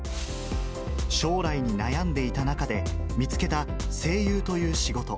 将来に悩んでいた方で、見つけた声優という仕事。